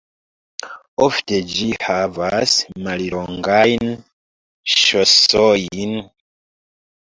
Ofte ĝi havas mallongajn ŝosojn.